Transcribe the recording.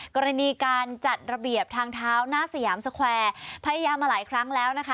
กรณีการจัดระเบียบทางเท้าหน้าสยามสแควร์พยายามมาหลายครั้งแล้วนะคะ